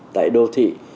tại đô thị